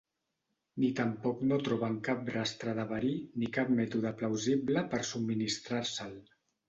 Ni tampoc no troben cap rastre de verí ni cap mètode plausible per subministrar-se'l.